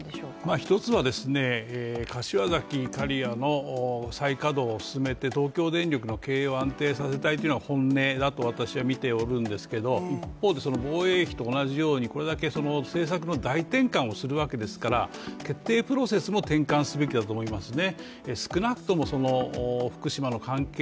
一つは柏崎刈羽の再稼働を進めて東京電力の経営を安定させたいというのが本音だと私はみているんですけど一方で防衛費と同じように政策の大転換をするわけですから、決定プロセスも転換すべきだと思いますね。